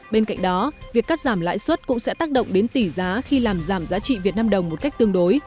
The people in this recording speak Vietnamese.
bên cạnh đó việc cắt giảm lãi suất cũng sẽ tác động đến tỷ giá khi làm giảm giá trị việt nam đồng một lần